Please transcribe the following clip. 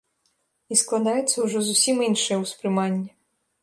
І складаецца ўжо зусім іншае ўспрыманне.